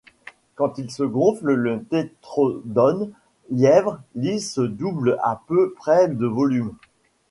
Quand il se gonfle le tétrodon-lièvre lisse double à peu près de volume.